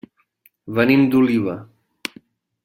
Venim d'Oliva.